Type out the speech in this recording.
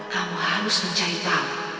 kamu harus mencayai tahu